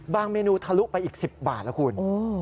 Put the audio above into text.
บางเมนูทะลุไปอีก๑๐บาทละคุณ